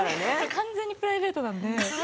完全にプライベートなので。